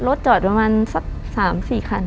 รถจอดประมาณสัก๓๔คัน